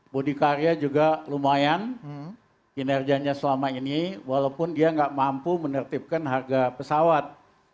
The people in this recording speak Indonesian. budi karya juga lumayan kinerjanya selama ini walaupun dia nggak mampu menertibkan harga pesawat